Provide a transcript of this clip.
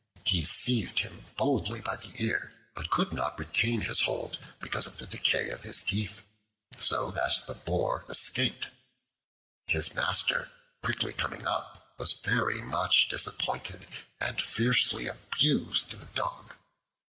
He seized him boldly by the ear, but could not retain his hold because of the decay of his teeth, so that the boar escaped. His master, quickly coming up, was very much disappointed, and fiercely abused the dog.